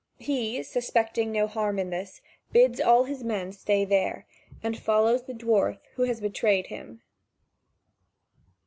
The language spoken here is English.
He, suspecting no harm in this, bids all his men stay there, and follows the dwarf who has betrayed him.